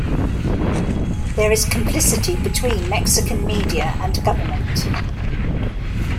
There is complicity between Mexican media and government.